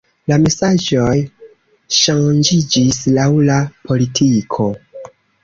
La mesaĝoj ŝanĝiĝis laŭ la politiko.